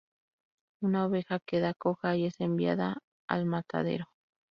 Una oveja queda coja y es enviada al matadero.